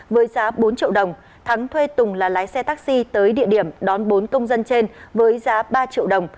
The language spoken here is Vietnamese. với giá bốn triệu đồng thắng thuê tùng là lái xe taxi tới địa điểm đón bốn công dân trên với giá ba triệu đồng